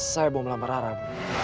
saya mau melamar haram